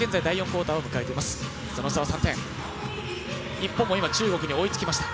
日本も今、中国に追いつきました。